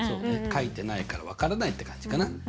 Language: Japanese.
書いてないから分からないって感じかな？